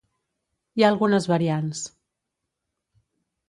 Hi ha algunes variants.